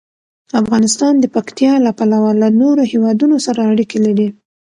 افغانستان د پکتیا له پلوه له نورو هېوادونو سره اړیکې لري.